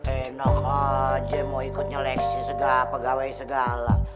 enak aja mau ikut nyeleksi segala pegawai segala